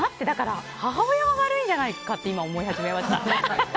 母親が悪いんじゃないかって今思い始めました。